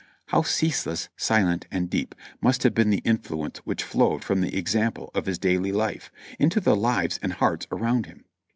How ceaseless, silent and deep must have been t^e influence which flowed from the example of his daily life into the lives and hearts around him.